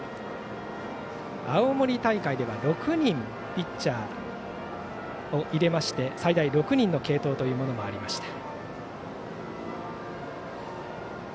青森大会では６人ピッチャーを入れまして最大６人の継投もありました。